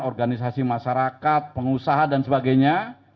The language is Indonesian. organisasi masyarakat pengusaha dan sebagainya